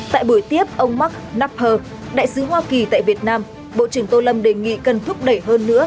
tại buổi tiếp ông mark nnapper đại sứ hoa kỳ tại việt nam bộ trưởng tô lâm đề nghị cần thúc đẩy hơn nữa